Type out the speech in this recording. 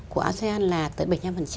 của asean là tới bảy mươi năm